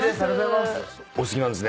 お好きなんですね？